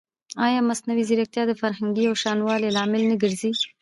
ایا مصنوعي ځیرکتیا د فرهنګي یوشان والي لامل نه ګرځي؟